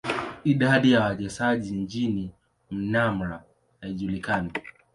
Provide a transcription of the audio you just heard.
Idadi ya wasemaji nchini Myanmar haijulikani.